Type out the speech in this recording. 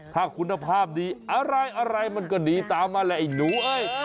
ถ้าคุณภาพดีอะไรอะไรมันก็หนีตามมาแหละไอ้หนูเอ้ย